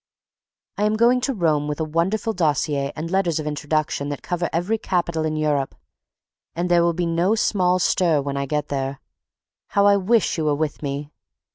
I am going to Rome with a wonderful dossier and letters of introduction that cover every capital in Europe, and there will be "no small stir" when I get there. How I wish you were with me!